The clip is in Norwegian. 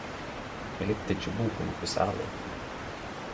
Eg likte ikkje boka noko særleg.